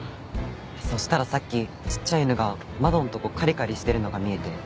そしたらさっきちっちゃい犬が窓のとこカリカリしてるのが見えて。